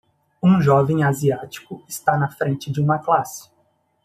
Um jovem asiático está na frente de uma classe